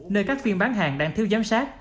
nơi các phiên bán hàng đang thiếu giám sát